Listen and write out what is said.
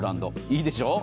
いいでしょう。